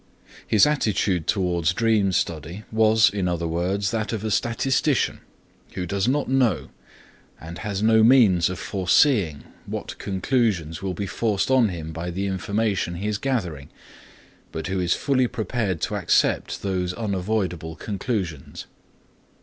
His attitude toward dream study was, in other words, that of a statistician who does not know, and has no means of foreseeing, what conclusions will be forced on him by the information he is gathering, but who is fully prepared to accept those unavoidable conclusions.